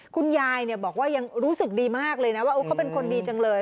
คุณยายบอกว่ายังรู้สึกดีมากเลยนะว่าเขาเป็นคนดีจังเลย